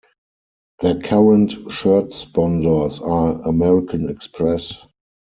Their current shirt sponsors are American Express.